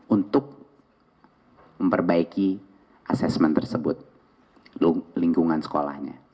untuk memperbaiki asesmen tersebut lingkungan sekolahnya